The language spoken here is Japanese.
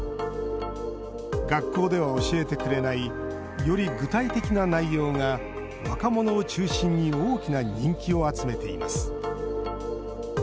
学校では教えてくれないより具体的な内容が若者を中心に大きな人気を集めています